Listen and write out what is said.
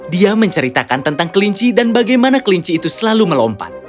dia menceritakan tentang kelinci dan bagaimana kelinci itu selalu melompat